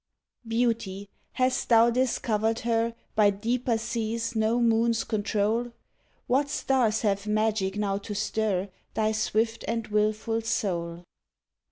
Beauty — hast thou discovered her By deeper seas no moons control*? What stars have magic now to stir Thy swift and wilful soul?